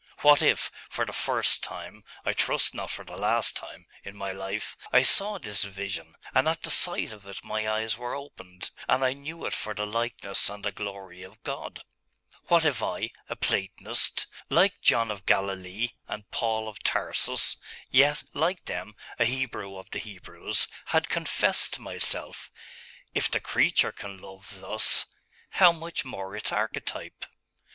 What if, for the first time, I trust not for the last time, in my life, I saw this vision; and at the sight of it my eyes were opened, and I knew it for the likeness and the glory of God? What if I, a Platonist, like John of Galilee, and Paul of Tarsus, yet, like them, a Hebrew of the Hebrews, had confessed to myself If the creature can love thus, how much more its archetype?